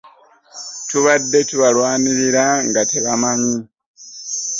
Tubadde tubalwanirira nga tebamanyi.